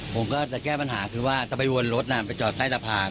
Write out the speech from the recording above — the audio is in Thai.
ผมก็จะแก้ปัญหาคือว่าถ้าไปวนรถไปจอดใต้สะพาน